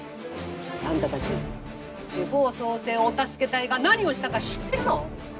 あんたたち地方創生お助け隊が何をしたか知ってるの？